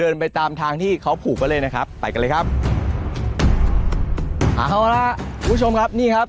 เอาละครับคุณผู้ชมครับนี่ครับ